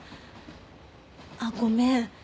あっごめん。